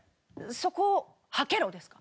「そこをはけろ」ですか？